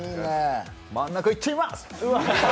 真ん中いっちゃいまーす！